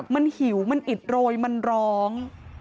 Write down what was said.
มันหิวมันอิดโรยมันร้อง